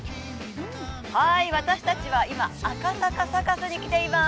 私たちは今、赤坂サカスに来ています。